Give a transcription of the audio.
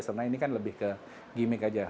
karena ini kan lebih ke gimmick aja